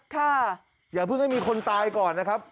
อย่าเพิ่งให้มีคนตายก่อนนะครับ